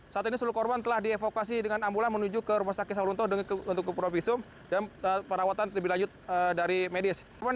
saat ini seluruh korban telah dievokasi dengan ambulans menuju ke rumah sakit saulunto untuk ke provisum dan perawatan lebih lanjut dari medis